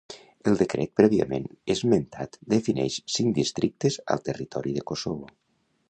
El decret prèviament esmentat defineix cinc districtes al territori de Kosovo.